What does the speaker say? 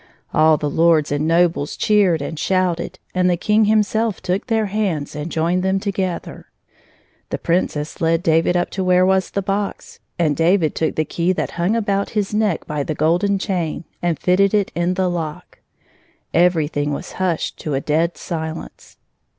All the lords and nobles cheered and shouted, and the King himself took their hands and joined them together. The Princess led David up to where was the box, and David took the key that hung about his neck by the golden chain, and fitted it in the lock. Everything was hushed to a dead silence.